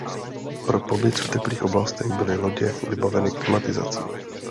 Pro pobyt v teplých oblastech byly lodě vybaveny klimatizací.